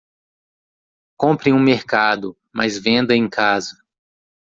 Compre em um mercado, mas venda em casa.